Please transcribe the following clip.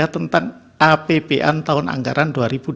tentang apbn tahun anggaran